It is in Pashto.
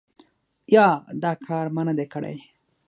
یا دا کار ما نه دی کړی ؟